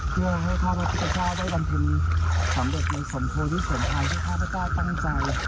เพื่อให้ข้าพระพระเจ้าได้บรรพิมิสำหรับมีสมควรที่สำคัญให้ข้าพระเจ้าตั้งใจ